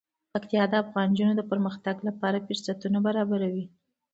پکتیکا د افغان نجونو د پرمختګ لپاره فرصتونه برابروي.